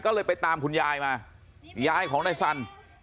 ก็เลยไปตามคุณยายมายายของนายสัน